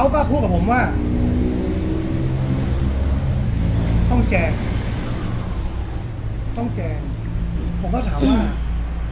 อยู่ตรงนี้แล้วก็เลยไม่รู้จะพูดอะไรหรือว่าเป็นเพราะเขารู้สึกว่า